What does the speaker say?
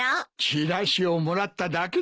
チラシをもらっただけだよ。